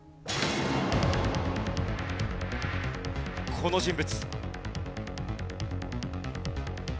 この人物。